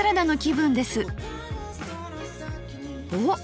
おっ！